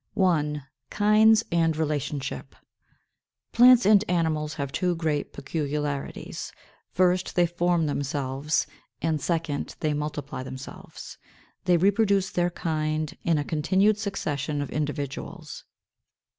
§ 1. KINDS AND RELATIONSHIP. 520. Plants and animals have two great peculiarities: 1st, they form themselves; and 2d, they multiply themselves. They reproduce their kind in a continued succession of 521. =Individuals.